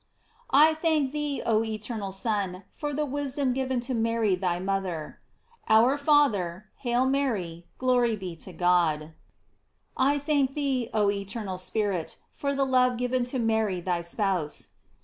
I thank thee, oh eternal Son, for the wisdom given to Mary thy mother. Our Father, Hail Mary, Glory be to God. I thank thee, oh eternal Spirit, for the love given to Mary thy spouse.